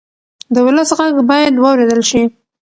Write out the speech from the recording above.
د ولس غږ باید واورېدل شي.